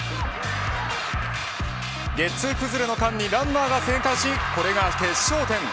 ゲッツー崩れの間にランナーが生還しこれが決勝点。